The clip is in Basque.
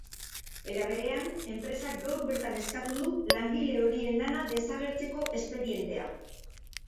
Era berean, enpresak gaur bertan eskatu du langile horien lana desagertzeko espedientea.